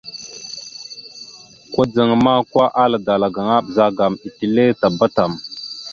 Kudzaŋ ma, kwa, ala dala gaŋa ma, ɓəzagaam etelle tabá tam.